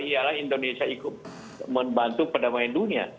ialah indonesia ikut membantu perdamaian dunia